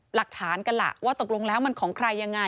หลักฐานกันล่ะว่าตกลงแล้วมันของใครยังไง